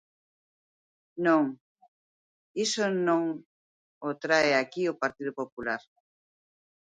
Non, iso non o trae aquí o Partido Popular.